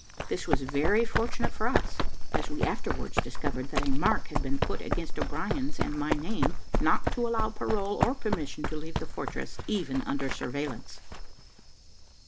This was very fortunate for us, as we afterwards discovered that a mark had been put against O'Brien's and my name, not to allow parole or permission to leave the fortress, even under surveillance.